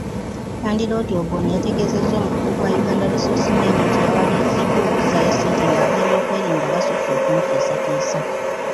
Landiroodi Oboni yategeezezza omukutu gwa Uganda Resource Name, nti yawaliriziddwa okuzzaayo ssente ng'abeebyokwerinda basusse okumutiisatiisa.